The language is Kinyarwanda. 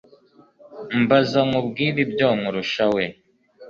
mbazanku bwire ibyo nkurusha we